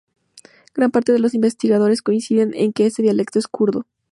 Gran parte de los investigadores coinciden en que este dialecto es kurdo.